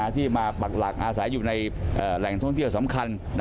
ที่มาปักหลักอาศัยอยู่ในแหล่งท่องเที่ยวสำคัญ